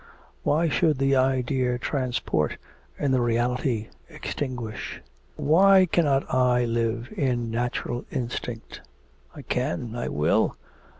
Why should the idea transport, and the reality extinguish? Why cannot I live in natural instinct? ... I can, I will....